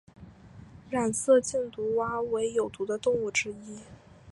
染色箭毒蛙为有毒的动物之一。